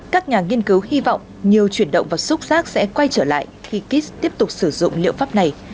các nhà nghiên cứu hy vọng nhiều chuyển động và xúc giác sẽ quay trở lại khi kit tiếp tục sử dụng liệu pháp này